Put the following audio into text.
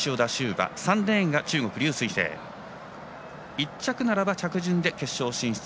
１着ならば着順で決勝進出。